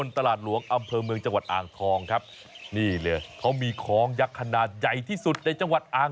ต้วมเลยทีเดียว